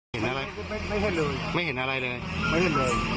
เห็นไหมอะไรไม่เห็นเลยไม่เห็นอะไรเลยไม่เห็นเลย